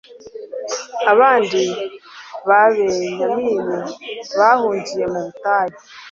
abandi babenyamini bahungiye mu butayu